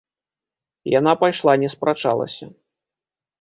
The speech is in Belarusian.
Яна пайшла, не спрачалася.